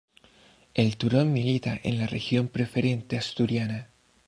El Turón milita en la Regional Preferente Asturiana.